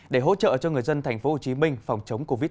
để hỗ trợ cho người dân tp hcm phòng chống covid một mươi